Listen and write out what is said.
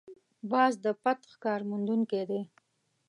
باز د پټ ښکار موندونکی دی